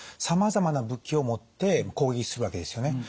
さまざまな武器を持って攻撃するわけですよね。